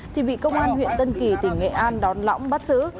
thì bị công an huyện tân kỳ tỉnh nghệ an đón lõng bắt xử